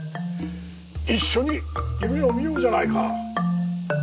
一緒に夢を見ようじゃないか。